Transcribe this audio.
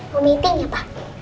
mau meeting ya pak